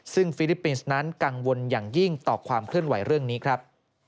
ซึ่งฟิลิปปินส์นั้นกังวลอย่างยิ่งต่อความเคลื่อนไหวเรื่องนี้ครับ